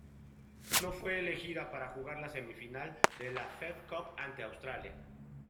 No fue elegida para jugar la semifinal de la Fed Cup ante Australia.